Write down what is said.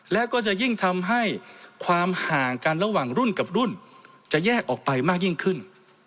และก็จะยิ่งทำให้ความห่างกันระหว่างรุ่นกับรุ่นจะแยกออกไปมากยิ่งขึ้น